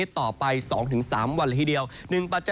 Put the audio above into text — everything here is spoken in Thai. ต่อไป๒๓วันอีก